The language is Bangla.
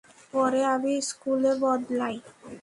পরে আমি স্কুলে বদলাই।